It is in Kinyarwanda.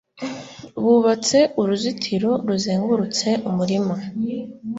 Bubatse uruzitiro ruzengurutse umurima.